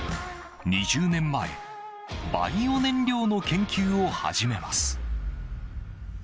２０年前バイオ燃料の研究を始めます。